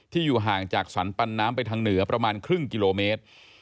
อยู่ห่างจากสรรปันน้ำไปทางเหนือประมาณครึ่งกิโลเมตร